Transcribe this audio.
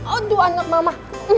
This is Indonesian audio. aduh anak mama